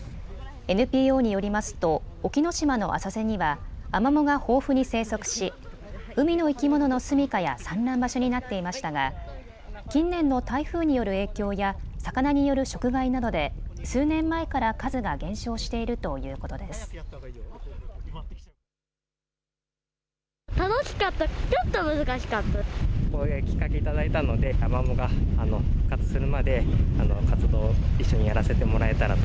ＮＰＯによりますと沖ノ島の浅瀬にはアマモが豊富に生息し海の生き物の住みかや産卵場所になっていましたが近年の台風による影響や魚による食害などで数年前から数が減少しているということです。